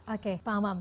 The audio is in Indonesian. oke pak mam